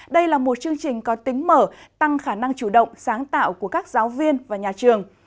đây là một chương trình có tính mở tăng khả năng chủ động sáng tạo của các giáo viên và nhà trường